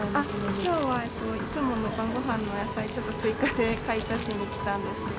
きょうはいつもの晩ごはんの野菜、ちょっと追加で買い足しに来たんですけど。